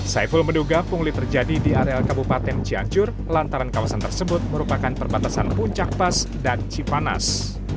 saiful menduga pungli terjadi di areal kabupaten cianjur lantaran kawasan tersebut merupakan perbatasan puncak pas dan cipanas